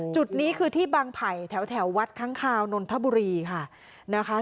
จุดนี้คือที่บางไผ่แถววัดค้างคาวนนนทบุรีค่ะนะคะ